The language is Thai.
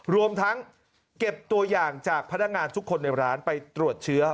รวมทั้งเก็บตัวอย่างจากพนักงานทุกคนในร้านไปตรวจเชื้อ